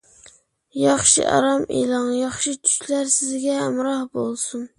ياخشى ئارام ئېلىڭ، ياخشى چۈشلەر سىزگە ھەمراھ بولسۇن!